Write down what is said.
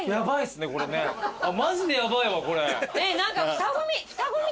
マジでヤバいわこれ。